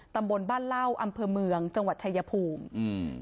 ตำบลบ้านเล่าอำเภอเมืองจังหวัดชายภูมิอืม